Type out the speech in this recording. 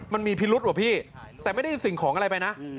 มันมีพิรุษว่ะพี่แต่ไม่ได้สิ่งของอะไรไปนะ